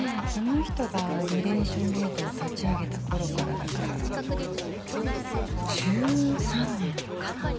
あの人がリレーション・ゲートを立ち上げた頃からだから１３年かな。